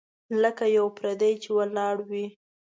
لکه یو پردی چي ولاړ وي .